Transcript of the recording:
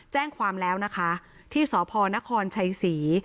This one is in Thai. แจ้งความแล้วนะคะที่สพนครชัยศรี